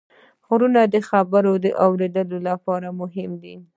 غوږونه د خبرو اورېدلو لپاره مهم دي